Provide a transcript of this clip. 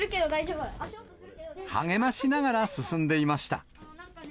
励ましながら進んでいました。